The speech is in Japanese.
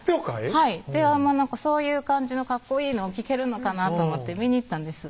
はいそういう感じのかっこいいのを聴けるのかなと思って見に行ったんです